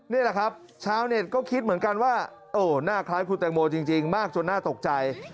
นี่แหละครับชาวเน็ตก็คิดเหมือนกันว่าหน้าคล้ายคุณแตงโมจริงมากจนน่าตกใจ